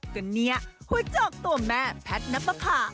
ก็เนี่ยหัวโจกตัวแม่แพทย์นับประพา